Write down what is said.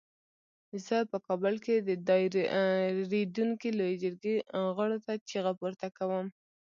زه په کابل کې د دایریدونکې لویې جرګې غړو ته چیغه پورته کوم.